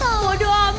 aduh aduh aduh